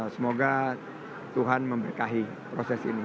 semoga tuhan memberkahi proses ini